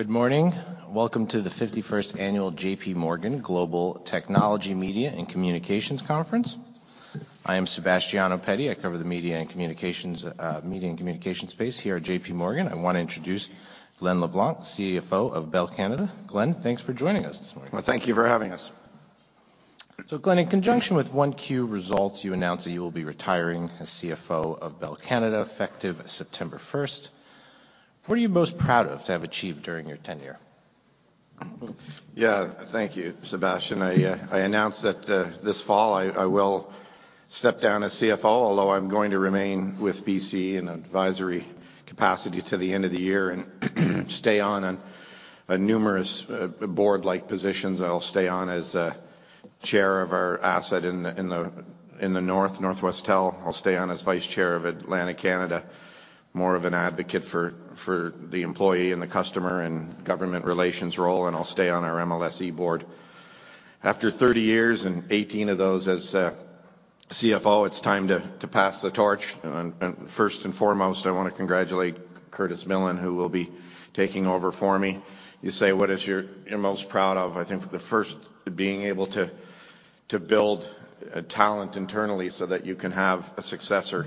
Good morning. Welcome to the 51st annual J.P. Morgan Global Technology Media and Communications Conference. I am Sebastiano Petti. I cover the media and communications, media and communication space here at J.P. Morgan. I want to introduce Glen LeBlanc, CFO of Bell Canada. Glen, thanks for joining us this morning. Well, thank you for having us. Glen, in conjunction with 1Q results, you announced that you will be retiring as CFO of Bell Canada, effective September 1st. What are you most proud of to have achieved during your tenure? Yeah. Thank you, Sebastian. I announced that this fall I will step down as CFO, although I'm going to remain with BCE in an advisory capacity till the end of the year and stay on a numerous, board-like positions. I'll stay on as Chair of our asset in the north, Northwestel. I'll stay on as Vice Chair of Atlantic Canada, more of an advocate for the employee and the customer and government relations role, and I'll stay on our MLSE board. After 30 years, and 18 of those as CFO, it's time to pass the torch. First and foremost, I wanna congratulate Curtis Millen, who will be taking over for me. You say, "What is your... you're most proud of?" I think the first, being able to build talent internally so that you can have a successor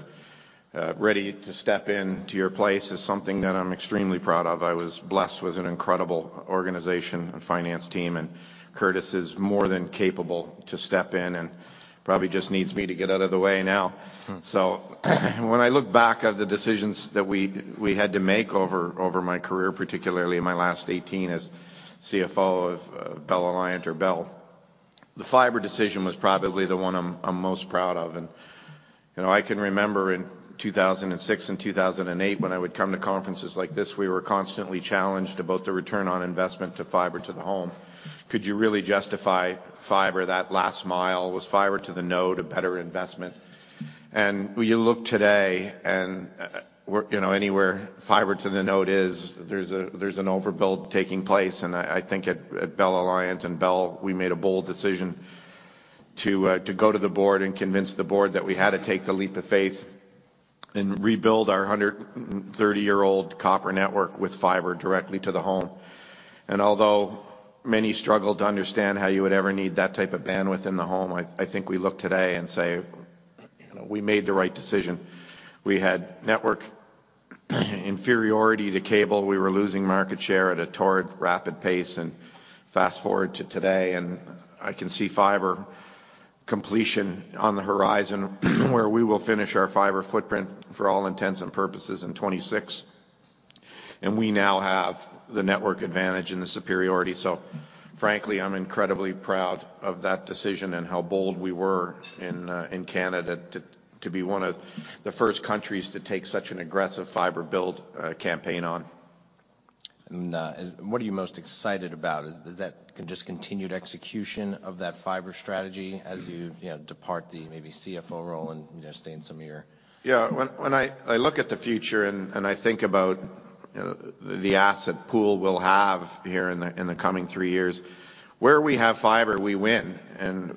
ready to step in to your place is something that I'm extremely proud of. I was blessed with an incredible organization and finance team, and Curtis is more than capable to step in, and probably just needs me to get out of the way now. Hmm. When I look back at the decisions that we had to make over my career, particularly in my last 18 as CFO of Bell Aliant or Bell, the fiber decision was probably the one I'm most proud of. You know, I can remember in 2006 and 2008 when I would come to conferences like this, we were constantly challenged about the return on investment to Fiber to the Home. Could you really justify fiber that last mile? Was Fiber to the Node a better investment? When you look today and we're, you know, anywhere Fiber to the Node is, there's an overbuild taking place. I think at Bell Aliant and Bell, we made a bold decision to go to the board and convince the board that we had to take the leap of faith and rebuild our 130-year-old copper network with fiber directly to the home. Although many struggled to understand how you would ever need that type of bandwidth in the home, I think we look today and say, "You know, we made the right decision." We had network inferiority to cable. We were losing market share at a torrid, rapid pace. Fast-forward to today, I can see fiber completion on the horizon where we will finish our fiber footprint for all intents and purposes in 2026. We now have the network advantage and the superiority. frankly, I'm incredibly proud of that decision and how bold we were in Canada to be one of the first countries to take such an aggressive fiber build campaign on. What are you most excited about? Is that just continued execution of that fiber strategy as you know, depart the maybe CFO role and, you know, stay in some of your... Yeah. When I look at the future and I think about the asset pool we'll have here in the coming three years, where we have Fiber, we win.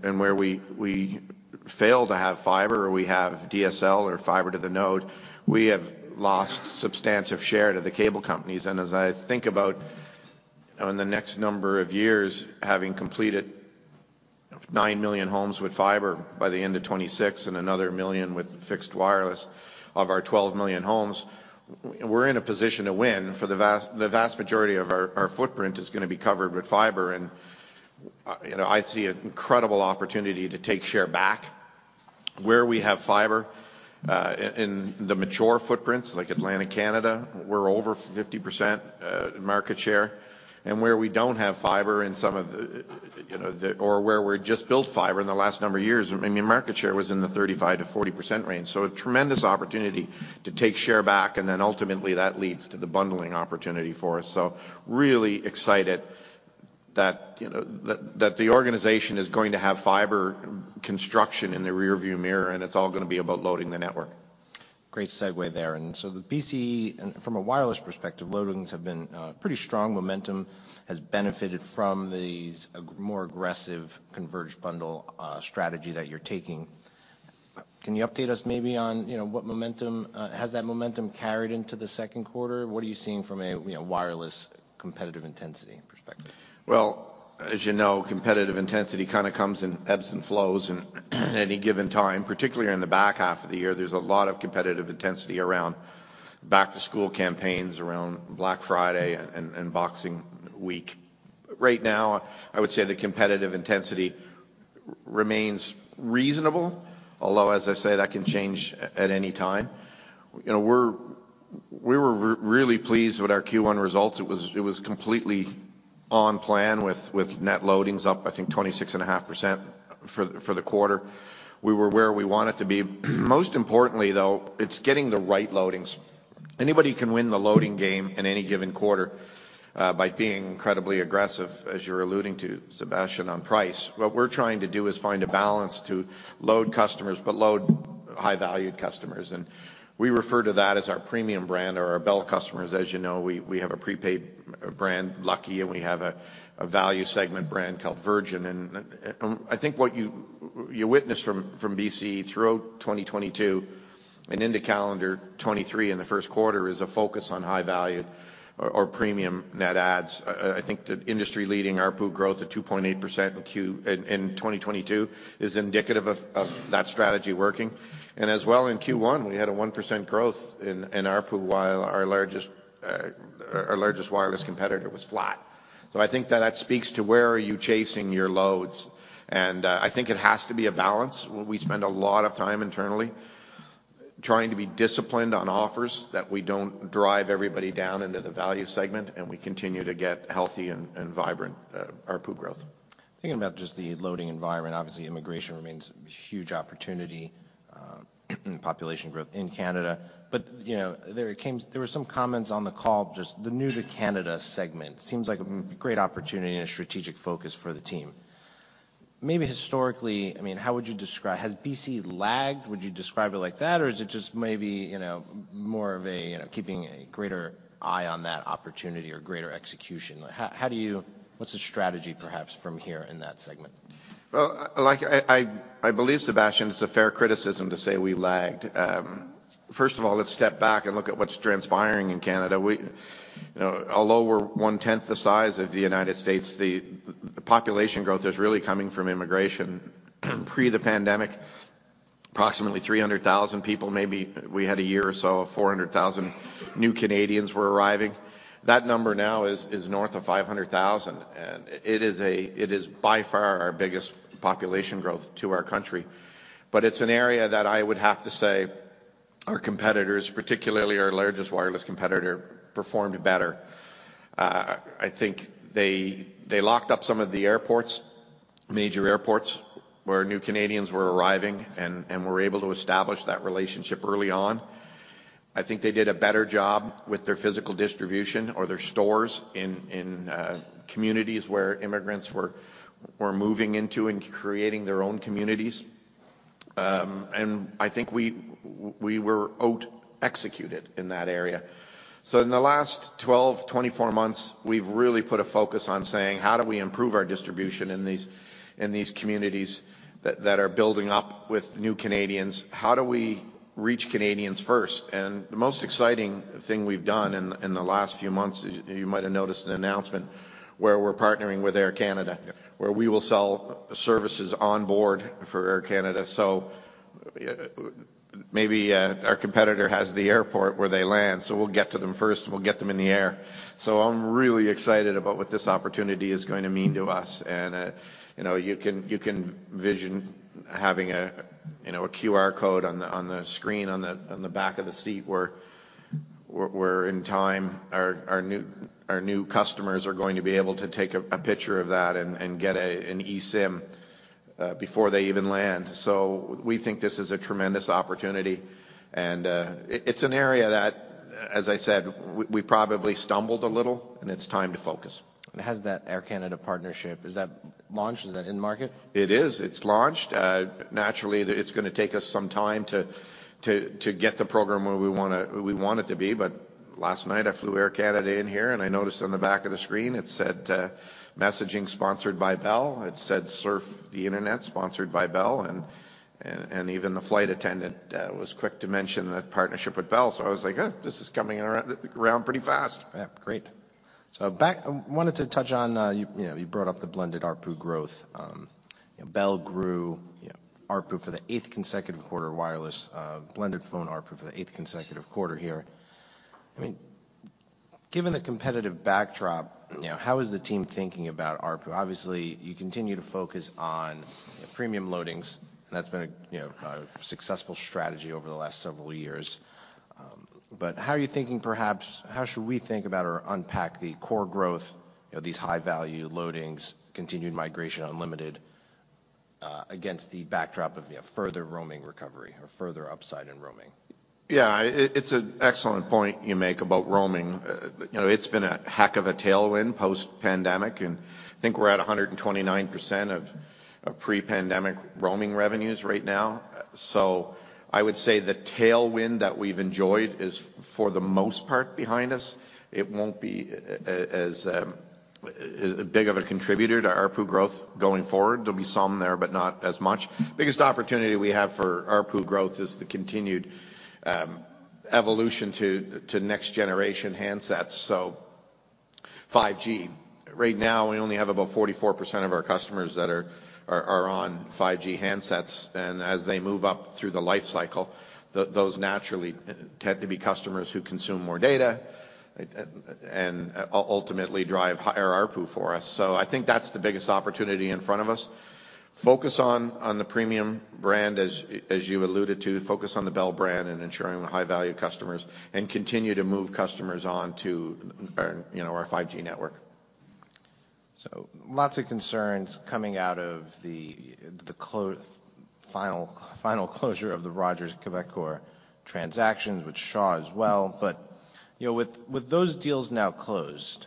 Where we fail to have Fiber, or we have DSL or Fiber to the Node, we have lost substantive share to the cable companies. As I think about, you know, in the next number of years, having completed 9 million homes with Fiber by the end of 2026 and another 1 million with Fixed Wireless of our 12 million homes, we're in a position to win, for the vast majority of our footprint is gonna be covered with Fiber. You know, I see an incredible opportunity to take share back where we have Fiber. In the mature footprints like Atlantic Canada, we're over 50% market share. Where we don't have fiber in some of the, you know, where we're just built fiber in the last number of years, I mean, market share was in the 35%-40% range. A tremendous opportunity to take share back, and then ultimately that leads to the bundling opportunity for us. Really excited that, you know, that the organization is going to have fiber construction in the rearview mirror, and it's all gonna be about loading the network. Great segue there. The BCE... From a wireless perspective, loadings have been pretty strong. Momentum has benefited from these more aggressive converged bundle strategy that you're taking. Can you update us maybe on, you know, has that momentum carried into the second quarter? What are you seeing from a, you know, wireless competitive intensity perspective? Well, as you know, competitive intensity kind of comes in ebbs and flows in any given time. Particularly in the back half of the year, there's a lot of competitive intensity around back-to-school campaigns, around Black Friday and Boxing Week. Right now, I would say the competitive intensity remains reasonable, although, as I say, that can change at any time. You know, we were really pleased with our Q1 results. It was completely on plan with net loadings up, I think, 26.5% for the quarter. We were where we wanted to be. Most importantly, though, it's getting the right loadings. Anybody can win the loading game in any given quarter by being incredibly aggressive, as you're alluding to, Sebastian, on price. What we're trying to do is find a balance to load customers but load high-value customers, and we refer to that as our premium brand or our Bell customers. As you know, we have a prepaid brand, Lucky, and we have a value segment brand called Virgin. I think what you witnessed from BCE throughout 2022 and into calendar 2023 in the first quarter is a focus on high value or premium net adds. I think the industry-leading ARPU growth of 2.8% in 2022 is indicative of that strategy working. As well in Q1, we had a 1% growth in ARPU while our largest wireless competitor was flat. I think that speaks to where are you chasing your loads. I think it has to be a balance. We spend a lot of time internally trying to be disciplined on offers, that we don't drive everybody down into the value segment, and we continue to get healthy and vibrant ARPU growth. Thinking about just the loading environment, obviously immigration remains a huge opportunity, and population growth in Canada. You know, there were some comments on the call, just the new to Canada segment seems like a great opportunity and a strategic focus for the team. Maybe historically, I mean, how would you describe... Has BCE lagged? Would you describe it like that? Or is it just maybe, you know, more of a, you know, keeping a greater eye on that opportunity or greater execution? How do you... What's the strategy perhaps from here in that segment? I believe, Sebastian, it's a fair criticism to say we lagged. First of all, let's step back and look at what's transpiring in Canada. You know, although we're one-tenth the size of the United States, the population growth is really coming from immigration. Pre the pandemic, approximately 300,000 people, maybe we had a year or so of 400,000 new Canadians were arriving. That number now is north of 500,000. It is by far our biggest population growth to our country. It's an area that I would have to say our competitors, particularly our largest wireless competitor, performed better. I think they locked up some of the airports, major airports, where new Canadians were arriving and were able to establish that relationship early on. I think they did a better job with their physical distribution or their stores in communities where immigrants were moving into and creating their own communities. I think we were out-executed in that area. In the last 12, 24 months, we've really put a focus on saying: How do we improve our distribution in these communities that are building up with new Canadians? How do we reach Canadians first? The most exciting thing we've done in the last few months, you might have noticed an announcement where we're partnering with Air Canada. Yeah... where we will sell services onboard for Air Canada. Maybe, our competitor has the airport where they land, so we'll get to them first and we'll get them in the air. I'm really excited about what this opportunity is going to mean to us. You can vision having a, you know, a QR code on the, on the screen on the, on the back of the seat where in time our new, our new customers are going to be able to take a picture of that and get a, an eSIM before they even land. We think this is a tremendous opportunity, and it's an area that, as I said, we probably stumbled a little and it's time to focus. Has that Air Canada partnership, is that launched? Is that in market? It is. It's launched. naturally, it's gonna take us some time to get the program where we want it to be. Last night I flew Air Canada in here, and I noticed on the back of the screen it said, "Messaging sponsored by Bell." It said, "Surf the internet sponsored by Bell." Even the flight attendant was quick to mention the partnership with Bell. I was like, "Oh, this is coming around pretty fast. Great. Wanted to touch on, you know, you brought up the blended ARPU growth. You know, Bell grew ARPU for the eighth consecutive quarter wireless, blended phone ARPU for the eighth consecutive quarter here. I mean, given the competitive backdrop, you know, how is the team thinking about ARPU? Obviously, you continue to focus on premium loadings, and that's been a, you know, a successful strategy over the last several years. How are you thinking? How should we think about or unpack the core growth, you know, these high value loadings, continued migration on Limited, against the backdrop of, you know, further roaming recovery or further upside in roaming? Yeah. It's an excellent point you make about roaming. You know, it's been a heck of a tailwind post-pandemic, and I think we're at 129% of pre-pandemic roaming revenues right now. I would say the tailwind that we've enjoyed is for the most part behind us. It won't be as big of a contributor to ARPU growth going forward. There'll be some there, not as much. Biggest opportunity we have for ARPU growth is the continued evolution to next generation handsets. 5G. Right now we only have about 44% of our customers that are on 5G handsets. As they move up through the life cycle, those naturally tend to be customers who consume more data and ultimately drive higher ARPU for us. I think that's the biggest opportunity in front of us. Focus on the premium brand, as you alluded to, focus on the Bell brand and ensuring the high value customers and continue to move customers on to, you know, our 5G network. Lots of concerns coming out of the final closure of the Rogers/Quebecor transactions with Shaw as well. You know, with those deals now closed,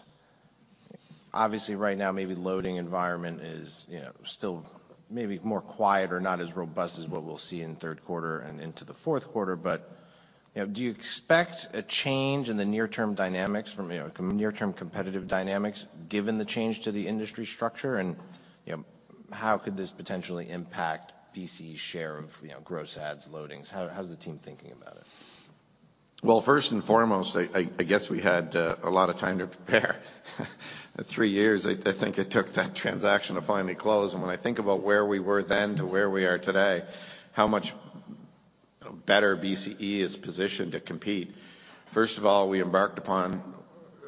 obviously right now maybe loading environment is, you know, still maybe more quiet or not as robust as what we'll see in the third quarter and into the fourth quarter. You know, do you expect a change in the near-term dynamics from, you know, near-term competitive dynamics given the change to the industry structure? You know, how could this potentially impact BCE's share of, you know, gross adds loadings? How's the team thinking about it? Well, first and foremost, I guess we had a lot of time to prepare. 3 years, I think it took that transaction to finally close. When I think about where we were then to where we are today, how much better BCE is positioned to compete. First of all, we embarked upon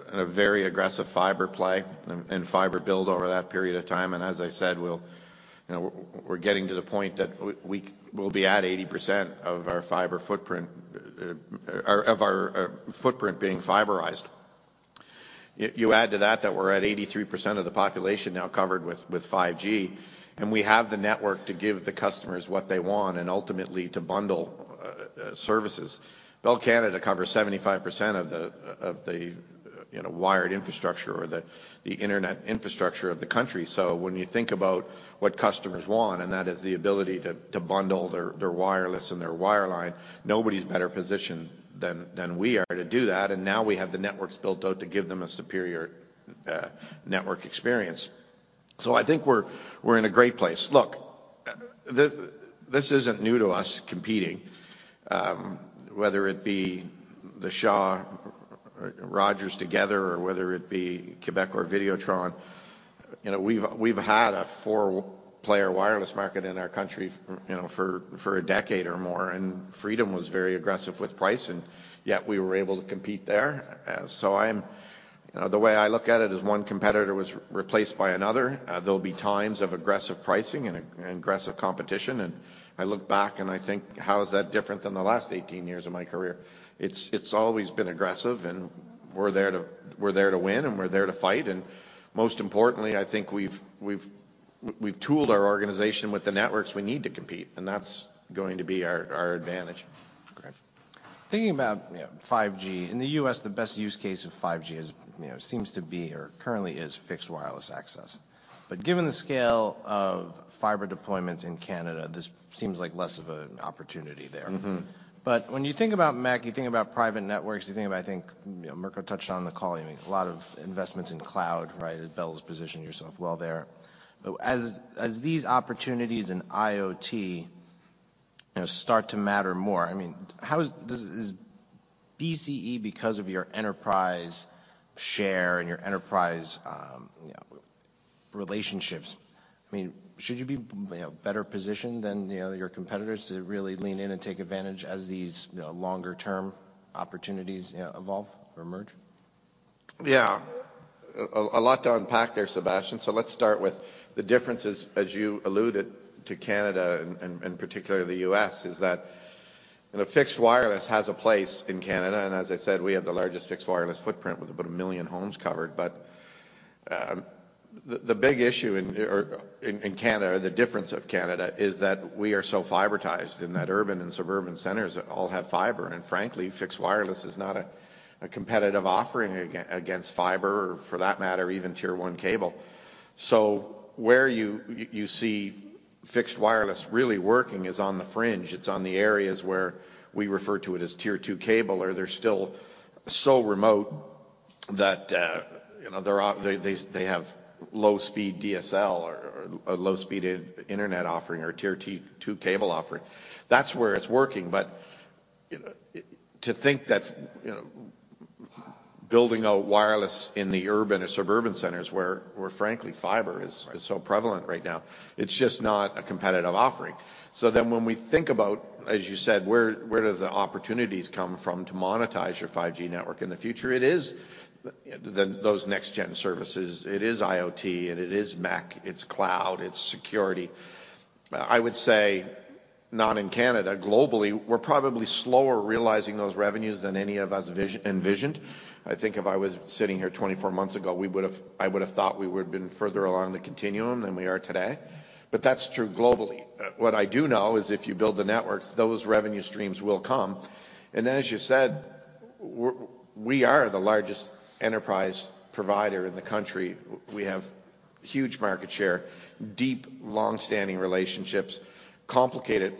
a very aggressive fiber play and fiber build over that period of time. As I said, we'll, you know, we're getting to the point that we'll be at 80% of our fiber footprint of our footprint being fiberized. You add to that we're at 83% of the population now covered with 5G, and we have the network to give the customers what they want and ultimately to bundle services. Bell Canada covers 75% of the, you know, wired infrastructure or the internet infrastructure of the country. When you think about what customers want, and that is the ability to bundle their wireless and their wireline, nobody's better positioned than we are to do that. Now we have the networks built out to give them a superior network experience. I think we're in a great place. Look, this isn't new to us competing, whether it be the Shaw, Rogers together or whether it be Quebec or Videotron. You know, we've had a four-player wireless market in our country you know, for a decade or more, and Freedom was very aggressive with price, and yet we were able to compete there. I'm... You know, the way I look at it is one competitor was replaced by another. There'll be times of aggressive pricing and aggressive competition. I look back and I think, "How is that different than the last 18 years of my career?" It's, it's always been aggressive, and we're there to, we're there to win, and we're there to fight. Most importantly, I think we've tooled our organization with the networks we need to compete, and that's going to be our advantage. Great. Thinking about, you know, 5G. In the U.S., the best use case of 5G is, you know, seems to be or currently is fixed wireless access. Given the scale of fiber deployments in Canada, this seems like less of an opportunity there. Mm-hmm. When you think about MEC, you think about private networks, you think about, I think, you know, Mirko touched on the call, I mean, a lot of investments in cloud, right? Bell has positioned yourself well there. As these opportunities in IoT, you know, start to matter more, I mean, Is BCE, because of your enterprise share and your enterprise, you know, relationships, I mean, should you be, you know, better positioned than, you know, your competitors to really lean in and take advantage as these, you know, longer term opportunities, you know, evolve or emerge? Yeah. A lot to unpack there, Sebastian. Let's start with the differences, as you alluded to Canada and particularly the U.S., is that, you know, fixed wireless has a place in Canada, and as I said, we have the largest fixed wireless footprint with about 1 million homes covered. The big issue in Canada or the difference of Canada is that we are so fiberized and that urban and suburban centers all have fiber. Frankly, fixed wireless is not a competitive offering against fiber or for that matter, even tier 1 cable. Where you see fixed wireless really working is on the fringe. It's on the areas where we refer to it as tier 2 cable or they're still so remote that, you know, there are... They have low-speed DSL or a low-speed internet offering or tier two cable offering. That's where it's working. You know, to think that, you know, building out wireless in the urban or suburban centers where frankly fiber is. Right... is so prevalent right now, it's just not a competitive offering. When we think about, as you said, where does the opportunities come from to monetize your 5G network in the future? It is the those next gen services. It is IoT and it is MEC, it's cloud, it's security. I would say not in Canada. Globally, we're probably slower realizing those revenues than any of us envisioned. I think if I was sitting here 24 months ago, I would've thought we would've been further along the continuum than we are today. That's true globally. What I do know is if you build the networks, those revenue streams will come. As you said, we are the largest enterprise provider in the country. We have huge market share, deep long-standing relationships, complicated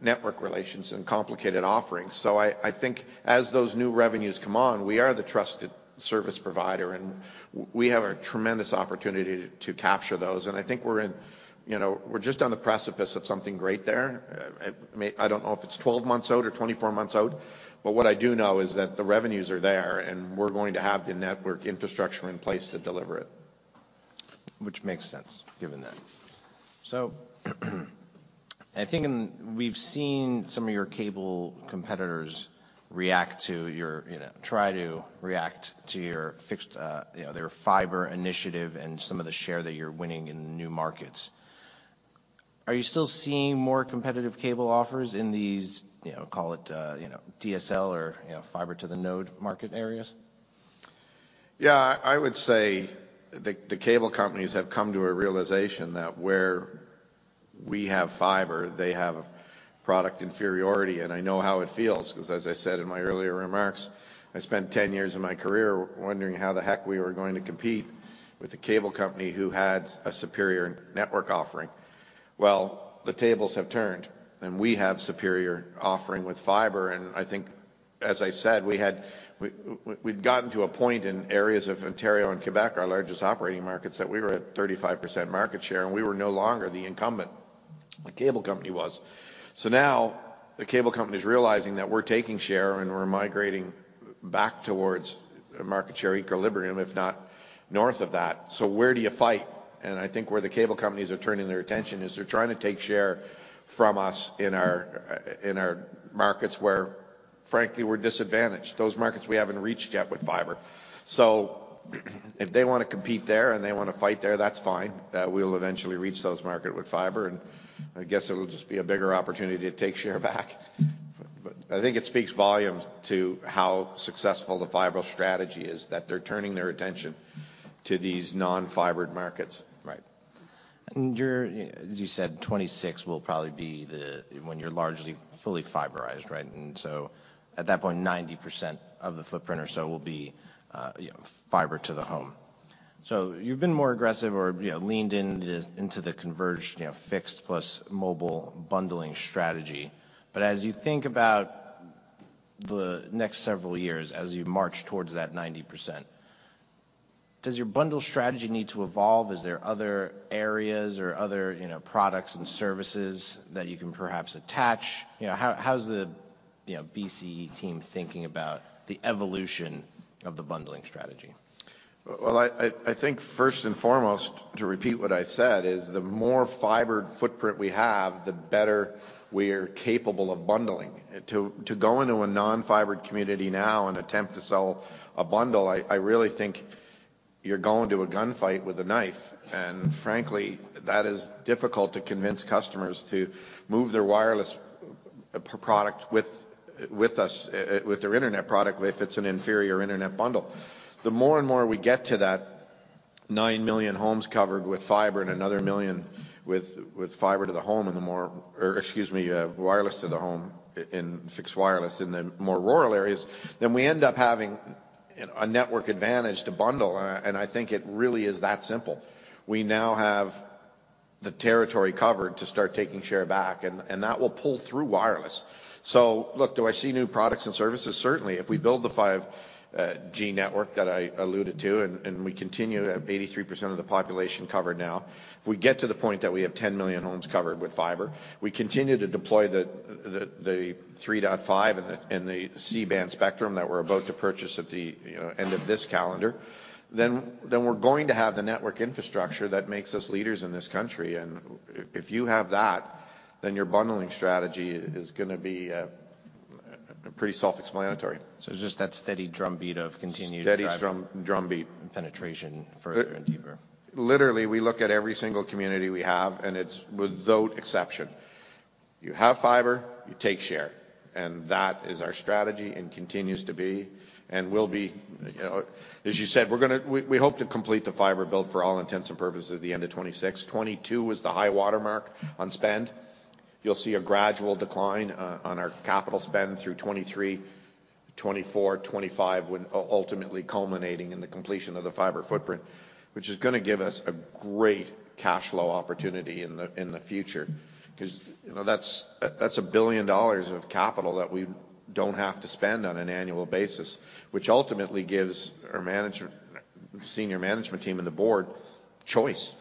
network relations and complicated offerings. I think as those new revenues come on, we are the trusted service provider, and we have a tremendous opportunity to capture those. I think we're in, you know, we're just on the precipice of something great there. I don't know if it's 12 months out or 24 months out, but what I do know is that the revenues are there and we're going to have the network infrastructure in place to deliver it. Which makes sense given that. I think and we've seen some of your cable competitors react to your, you know, try to react to your fixed, you know, their fiber initiative and some of the share that you're winning in new markets. Are you still seeing more competitive cable offers in these, you know, call it, you know, DSL or, you know, Fiber to the Node market areas? I would say the cable companies have come to a realization that where we have fiber, they have product inferiority, and I know how it feels, 'cause as I said in my earlier remarks, I spent 10 years of my career wondering how the heck we were going to compete with a cable company who had a superior network offering. The tables have turned. We have superior offering with fiber. I think, as I said, we'd gotten to a point in areas of Ontario and Quebec, our largest operating markets, that we were at 35% market share. We were no longer the incumbent. The cable company was. Now the cable company's realizing that we're taking share. We're migrating back towards a market share equilibrium, if not north of that. Where do you fight? I think where the cable companies are turning their attention is they're trying to take share from us in our in our markets where, frankly, we're disadvantaged, those markets we haven't reached yet with fiber. If they wanna compete there, and they wanna fight there, that's fine. We'll eventually reach those market with fiber, and I guess it'll just be a bigger opportunity to take share back. I think it speaks volumes to how successful the fiber strategy is that they're turning their attention to these non-fibered markets. You're, as you said, 2026 will probably be when you're largely fully fiberized, right? At that point, 90% of the footprint or so will be, you know, Fiber to the Home. You've been more aggressive or, you know, leaned into this into the converged, you know, fixed plus mobile bundling strategy. As you think about the next several years, as you march towards that 90%, does your bundle strategy need to evolve? Is there other areas or other, you know, products and services that you can perhaps attach? You know, how's the, you know, BCE team thinking about the evolution of the bundling strategy? I think first and foremost, to repeat what I said, is the more fibered footprint we have, the better we're capable of bundling. To go into a non-fibered community now and attempt to sell a bundle, I really think you're going to a gunfight with a knife. Frankly, that is difficult to convince customers to move their wireless product with us with their internet product, if it's an inferior internet bundle. The more and more we get to that 9 million homes covered with fiber and another 1 million with fiber to the home, or excuse me, wireless to the home in fixed wireless in the more rural areas, then we end up having a network advantage to bundle. I think it really is that simple. We now have the territory covered to start taking share back, and that will pull through wireless. Look, do I see new products and services? Certainly. If we build the 5G network that I alluded to, and we continue to have 83% of the population covered now, if we get to the point that we have 10 million homes covered with fiber, we continue to deploy the 3.5 and the C-band spectrum that we're about to purchase at the, you know, end of this calendar, then we're going to have the network infrastructure that makes us leaders in this country. If you have that, then your bundling strategy is gonna be pretty self-explanatory. It's just that steady drumbeat of continued. Steady drum, drumbeat.... penetration further and deeper. Literally, we look at every single community we have, and it's without exception. You have fiber, you take share, and that is our strategy and continues to be and will be. You know, as you said, we're gonna hope to complete the fiber build, for all intents and purposes, at the end of 2026. 2022 was the high watermark on spend. You'll see a gradual decline on our capital spend through 2023, 2024, 2025, ultimately culminating in the completion of the fiber footprint, which is gonna give us a great cash flow opportunity in the future. You know, that's a $1 billion of capital that we don't have to spend on an annual basis, which ultimately gives our manager, senior management team and the board choice.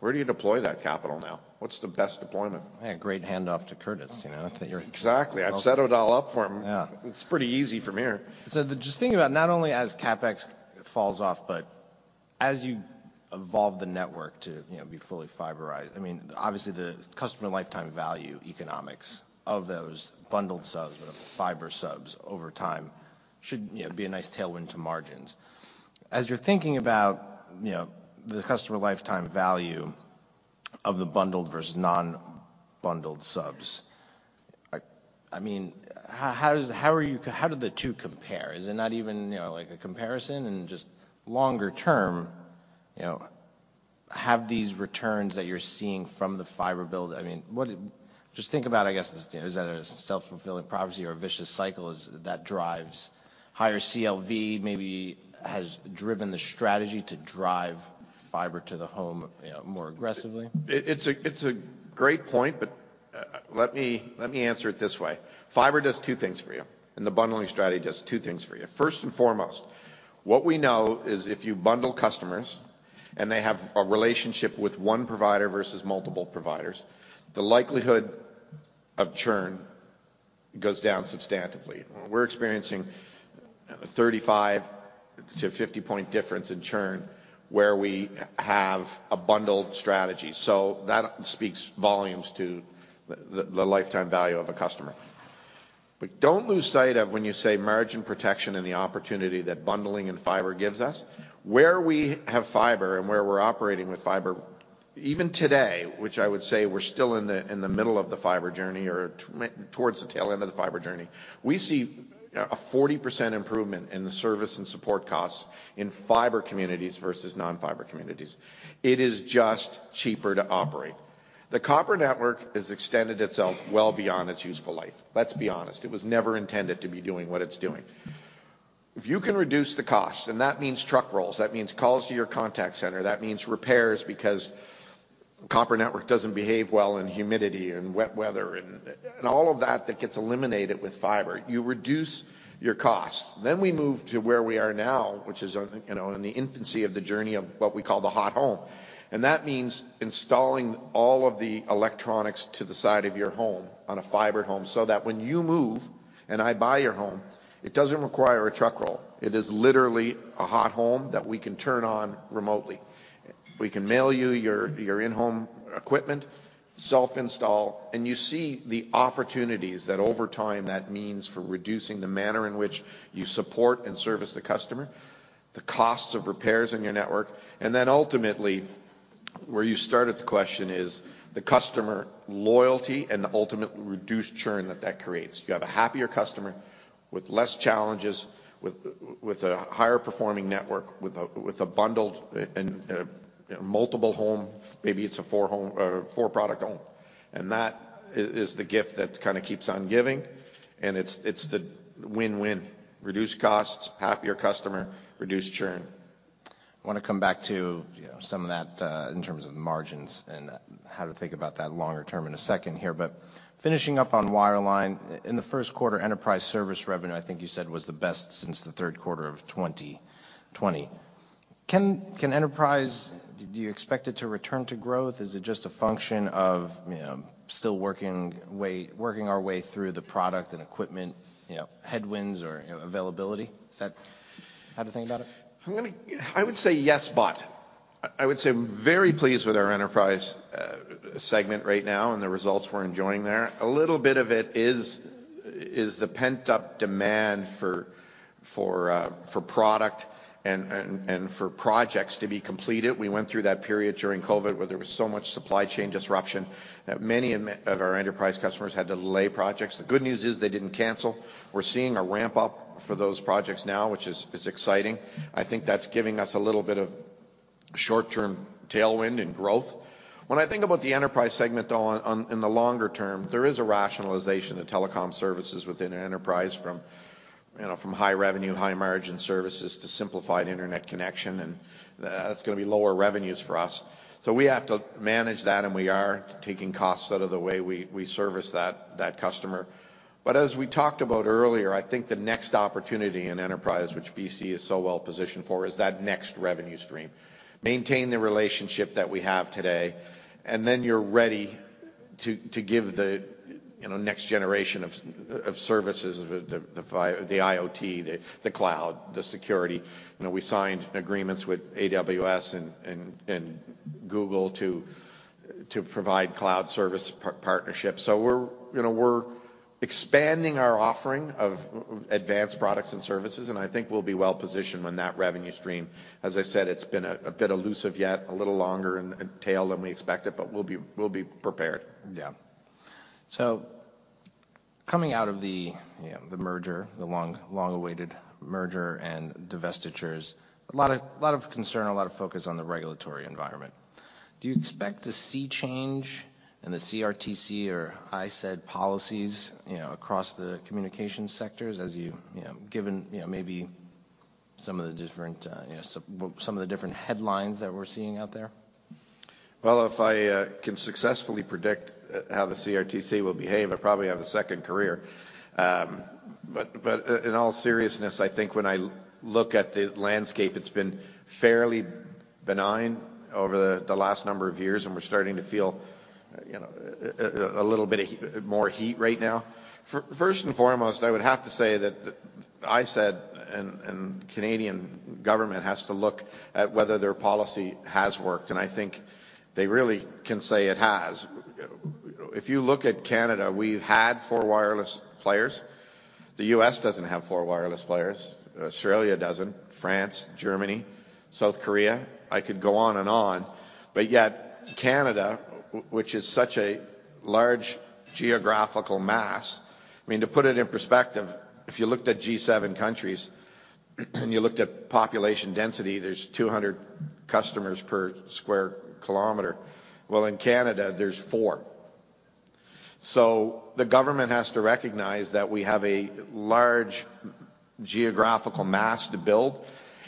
Where do you deploy that capital now? What's the best deployment? A great handoff to Curtis, you know. Exactly. I've set it all up for him. Yeah. It's pretty easy from here. Just thinking about not only as CapEx falls off, but as you evolve the network to be fully fiberized. I mean, obviously, the customer lifetime value economics of those bundled subs, the fiber subs over time should be a nice tailwind to margins. As you're thinking about, you know, the customer lifetime value of the bundled versus non-bundled subs, I mean, how do the two compare? Is it not even like a comparison? Just longer term, you know, have these returns that you're seeing from the fiber build, I mean, Just think about, I guess, is that a self-fulfilling prophecy or a vicious cycle that drives higher CLV maybe has driven the strategy to drive Fiber to the Home, you know, more aggressively. It's a great point. Let me answer it this way. Fiber does 2 things for you. The bundling strategy does 2 things for you. First and foremost, what we know is if you bundle customers, they have a relationship with 1 provider versus multiple providers, the likelihood of churn goes down substantively. We're experiencing a 35 to 50 point difference in churn where we have a bundled strategy. That speaks volumes to the lifetime value of a customer. Don't lose sight of when you say margin protection and the opportunity that bundling and Fiber gives us. Where we have fiber and where we're operating with fiber, even today, which I would say we're still in the, in the middle of the fiber journey or towards the tail end of the fiber journey, we see a 40% improvement in the service and support costs in fiber communities versus non-fiber communities. It is just cheaper to operate. The copper network has extended itself well beyond its useful life. Let's be honest. It was never intended to be doing what it's doing. If you can reduce the cost, and that means truck rolls, that means calls to your contact center, that means repairs because copper network doesn't behave well in humidity and wet weather and all of that that gets eliminated with fiber, you reduce your costs. We move to where we are now, which is on, you know, in the infancy of the journey of what we call the Smart Home. That means installing all of the electronics to the side of your home on a fiber home, so that when you move and I buy your home, it doesn't require a truck roll. It is literally a Smart Home that we can turn on remotely. We can mail you your in-home equipment, self-install, and you see the opportunities that over time that means for reducing the manner in which you support and service the customer, the costs of repairs on your network, ultimately, where you started the question is the customer loyalty and the ultimate reduced churn that creates. You have a happier customer with less challenges, with a higher performing network, with a bundled and, you know, multiple home, maybe it's a 4-home, 4-product home. That is the gift that kinda keeps on giving, and it's the win-win. Reduced costs, happier customer, reduced churn. I want to come back to some of that, in terms of margins and how to think about that longer term in a second here. Finishing up on wireline, in the first quarter, enterprise service revenue, I think you said, was the best since the third quarter of 2020. Can enterprise... Do you expect it to return to growth? Is it just a function of, you know, still working our way through the product and equipment, you know, headwinds or, you know, availability? Is that how to think about it? I'm gonna I would say yes, but. I would say very pleased with our enterprise segment right now and the results we're enjoying there. A little bit of it is the pent-up demand for product and for projects to be completed. We went through that period during COVID where there was so much supply chain disruption that many of our enterprise customers had to delay projects. The good news is they didn't cancel. We're seeing a ramp-up for those projects now, which is exciting. I think that's giving us a little bit of short-term tailwind and growth. When I think about the enterprise segment, though. In the longer term, there is a rationalization to telecom services within an enterprise from, you know, from high revenue, high margin services to simplified internet connection. That's gonna be lower revenues for us. We have to manage that. We are taking costs out of the way we service that customer. As we talked about earlier, I think the next opportunity in enterprise, which BCE is so well-positioned for, is that next revenue stream. Maintain the relationship that we have today. Then you're ready to give the, you know, next generation of services, the IoT, the cloud, the security. You know, we signed agreements with AWS and Google to provide cloud service partnership. we're, you know, we're expanding our offering of advanced products and services, and I think we'll be well-positioned when that revenue stream. As I said, it's been a bit elusive yet, a little longer in the tail than we expected, but we'll be prepared. Yeah. Coming out of the, you know, the merger, the long-awaited merger and divestitures, a lot of concern, a lot of focus on the regulatory environment. Do you expect to see change in the CRTC or I said policies, you know, across the communication sectors as you know, given, you know, maybe some of the different, you know, some of the different headlines that we're seeing out there? If I can successfully predict how the CRTC will behave, I'll probably have a second career. In all seriousness, I think when I look at the landscape, it's been fairly benign over the last number of years, and we're starting to feel, you know, a little bit more heat right now. First and foremost, I would have to say that I said, and Canadian government has to look at whether their policy has worked, and I think they really can say it has. If you look at Canada, we've had 4 wireless players. The U.S. doesn't have 4 wireless players. Australia doesn't. France, Germany, South Korea. I could go on and on. Yet Canada, which is such a large geographical mass, I mean, to put it in perspective, if you looked at G7 countries and you looked at population density, there's 200 customers per square kilometer. Well, in Canada, there's 4. The government has to recognize that we have a large geographical mass to build.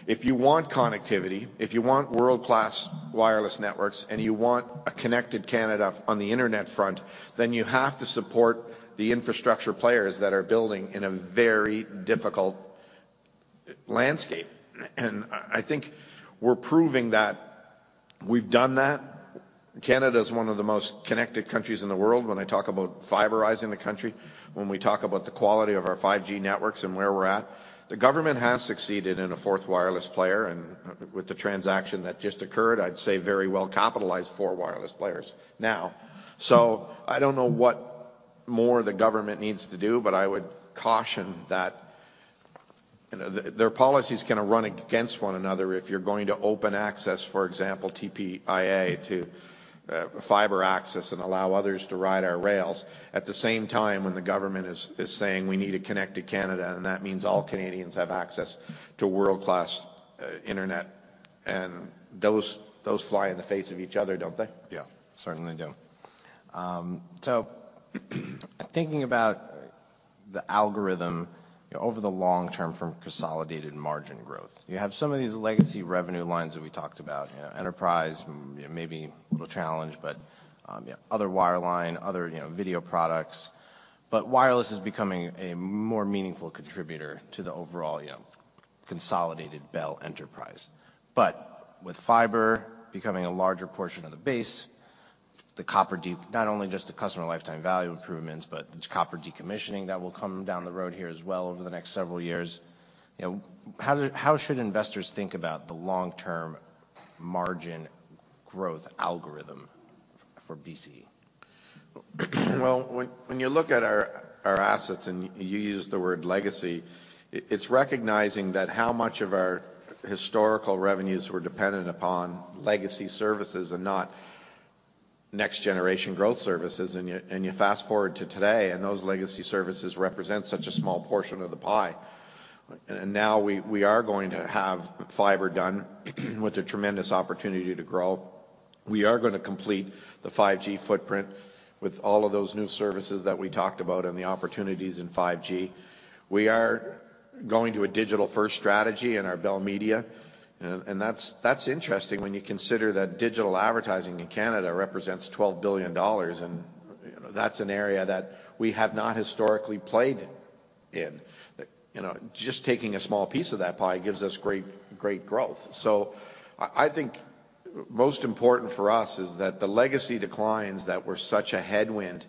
If you want connectivity, if you want world-class wireless networks, and you want a connected Canada on the internet front, then you have to support the infrastructure players that are building in a very difficult landscape. I think we're proving that we've done that. Canada is one of the most connected countries in the world when I talk about fiberizing the country, when we talk about the quality of our 5G networks and where we're at. The government has succeeded in a fourth wireless player, with the transaction that just occurred, I'd say very well-capitalized four wireless players now. I don't know what more the government needs to do, but I would caution that, you know, their policies gonna run against one another if you're going to open access, for example, TPIA to fiber access and allow others to ride our rails. At the same time, when the government is saying we need a connected Canada, and that means all Canadians have access to world-class internet, and those fly in the face of each other, don't they? Yeah. Certainly do. Thinking about the algorithm over the long term from consolidated margin growth. You have some of these legacy revenue lines that we talked about, enterprise, maybe a little challenged, but, other wireline, other, video products. Wireless is becoming a more meaningful contributor to the overall, you know, consolidated Bell enterprise. With fiber becoming a larger portion of the base, the copper not only just the customer lifetime value improvements, but the copper decommissioning that will come down the road here as well over the next several years. You know, how should investors think about the long-term margin growth algorithm for BCE? Well, when you look at our assets, and you use the word legacy, it's recognizing that how much of our historical revenues were dependent upon legacy services and not next generation growth services. You fast-forward to today, and those legacy services represent such a small portion of the pie. Now we are going to have fiber done with a tremendous opportunity to grow. We are going to complete the 5G footprint with all of those new services that we talked about and the opportunities in 5G. We are going to a digital-first strategy in our Bell Media. That's interesting when you consider that digital advertising in Canada represents 12 billion dollars, and that's an area that we have not historically played in. You know, just taking a small piece of that pie gives us great growth. I think most important for us is that the legacy declines that were such a headwind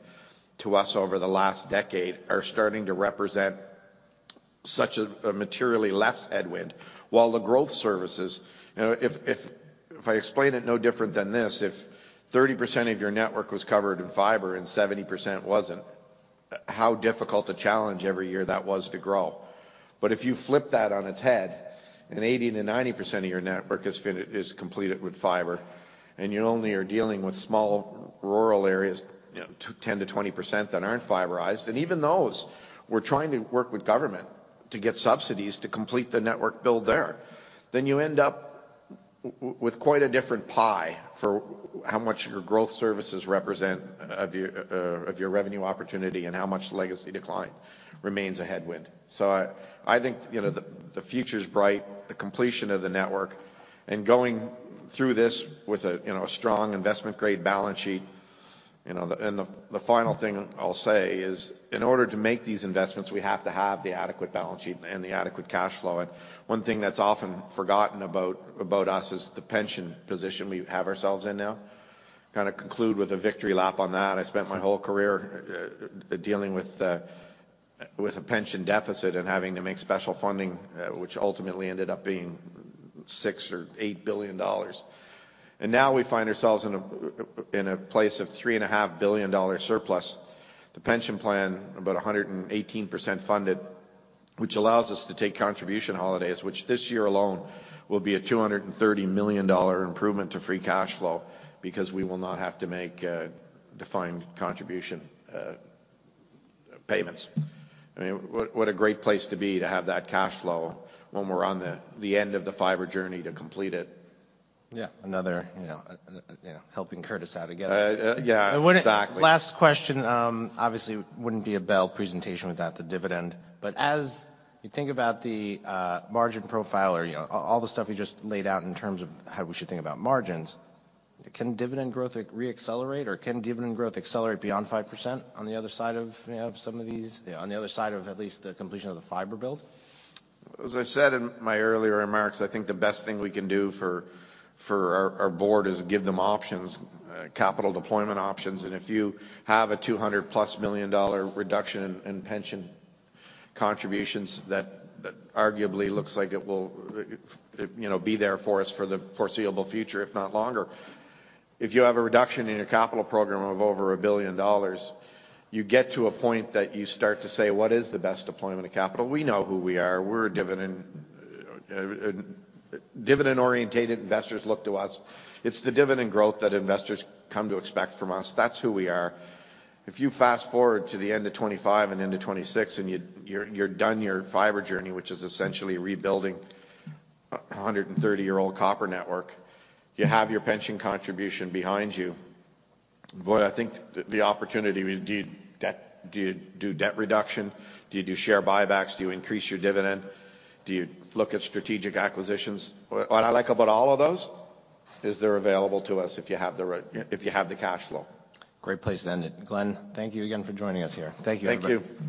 to us over the last decade are starting to represent such a materially less headwind. While the growth services... You know, if I explain it no different than this, if 30% of your network was covered in fiber and 70% wasn't, how difficult a challenge every year that was to grow. But if you flip that on its head, and 80%-90% of your network is completed with fiber, and you only are dealing with small rural areas, 10%-20% that aren't fiberized, and even those, we're trying to work with government to get subsidies to complete the network build there. You end up with quite a different pie for how much your growth services represent of your revenue opportunity and how much legacy decline remains a headwind. I think, you know, the future's bright. The completion of the network and going through this with a strong investment-grade balance sheet. You know, the final thing I'll say is, in order to make these investments, we have to have the adequate balance sheet and the adequate cash flow. One thing that's often forgotten about us is the pension position we have ourselves in now. Kinda conclude with a victory lap on that. I spent my whole career dealing with a pension deficit and having to make special funding, which ultimately ended up being 6 billion-8 billion dollars. Now we find ourselves in a place of three and a half billion dollar surplus. The pension plan about 118% funded, which allows us to take contribution holidays, which this year alone will be a 230 million dollar improvement to free cash flow because we will not have to make defined contribution payments. I mean, what a great place to be to have that cash flow when we're on the end of the fiber journey to complete it. Yeah. Another, you know, you know, helping Curtis out again. Yeah. Exactly. Last question, obviously wouldn't be a Bell presentation without the dividend. As you think about the margin profile or, you know, all the stuff you just laid out in terms of how we should think about margins, can dividend growth re-accelerate or can dividend growth accelerate beyond 5% on the other side of at least the completion of the fiber build? As I said in my earlier remarks, I think the best thing we can do for our board is give them options, capital deployment options. If you have a 200+ million dollar reduction in pension contributions that arguably looks like it will, you know, be there for us for the foreseeable future, if not longer. If you have a reduction in your capital program of over 1 billion dollars, you get to a point that you start to say, "What is the best deployment of capital?" We know who we are. We're a dividend-oriented investors look to us. It's the dividend growth that investors come to expect from us. That's who we are. If you fast-forward to the end of 2025 and into 2026, you're done your fiber journey, which is essentially rebuilding a 130-year-old copper network, you have your pension contribution behind you. Boy, I think the opportunity. Do you do debt reduction? Do you do share buybacks? Do you increase your dividend? Do you look at strategic acquisitions? What I like about all of those is they're available to us if you have the cash flow. Great place to end it. Glen, thank you again for joining us here. Thank you, everybody. Thank you.